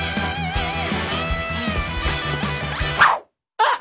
あっ。